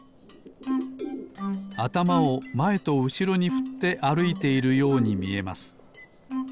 あたまをまえとうしろにふってあるいているようにみえます。